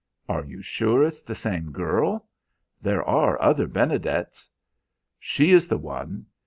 "Are you sure it's the same girl? There are other Benedets." "She is the one.